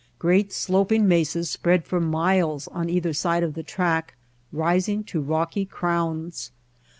Great sloping mesas spread for miles on either side of the track, rising to rocky crowns.